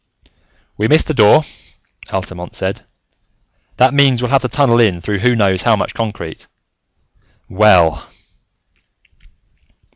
"We missed the door," Altamont said. "That means we'll have to tunnel in through who knows how much concrete. Well...."